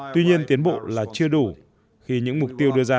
tuy nhiên tiến bộ là chưa đủ khi những mục tiêu đưa ra